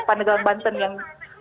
pandegalan banten yang